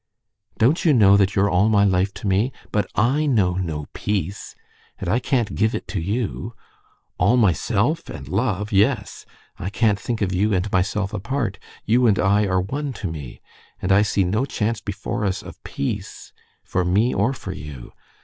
"Don't you know that you're all my life to me? But I know no peace, and I can't give it to you; all myself—and love ... yes. I can't think of you and myself apart. You and I are one to me. And I see no chance before us of peace for me or for you.